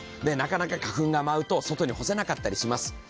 なかなか花粉が舞うと外に干せなかったりします。